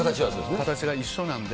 形が一緒なんで。